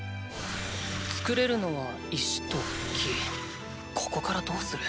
作れるのは石と木ここからどうする。